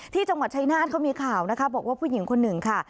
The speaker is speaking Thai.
ที่จังหวัดชายนาฏก็มีข่าวนะคะบอกว่าผู้หญิงคนหนึ่งค่ะ